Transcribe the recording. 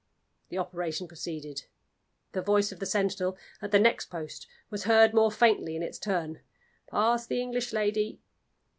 The operation proceeded. The voice of the sentinel at the next post was heard more faintly, in its turn: "Pass the English lady!"